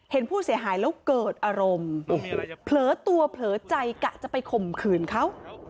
เห็นผู้เสียหายแล้วเกิดอารมณ์เผลอตัวเผลอใจกะจะไปข่มขืนเขา